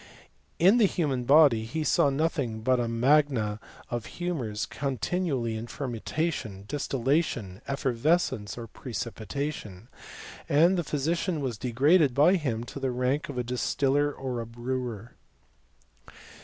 ^ In the human body he saw nothing but a magna of 'j humours continually in fermentation, distillation, effer vescence, or precipitation ; and the physician was de graded by him to the rank of a distiller or a brewer.